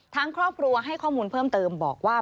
ทางครอบครัวให้ข้อมูลเพิ่มเติมบอกว่า